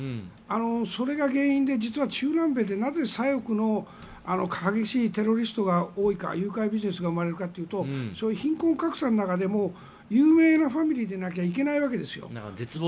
それが原因で実は、中南米で左翼の激しいテロリストが多いか、誘拐ビジネスが生まれるかというと貧困格差の中で有名なファミリーでなきゃいけないんです。